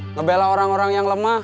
ngebela orang orang yang lemah